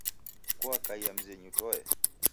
Kuakaiya mzenyu toe?